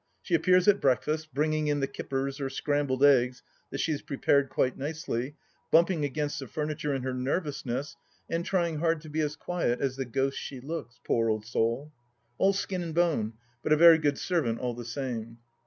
She appears at breakfast, bringing in the kippers or scrambled eggs that she has prepared quite nicely, bumping against the furniture in her nervousness and trying hard to be as quiet as the ghost she looks, poor old soul. All skin and bone, but a very good servant all the same.